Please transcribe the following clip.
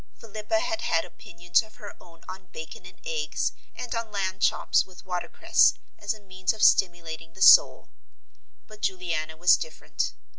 Philippa had had opinions of her own on bacon and eggs and on lamb chops with watercress as a means of stimulating the soul. But Juliana was different.